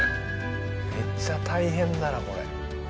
めっちゃ大変だなこれ。